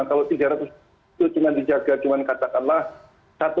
kalau tiga ratus itu cuma dijaga cuma katakanlah satu dua puluh empat jam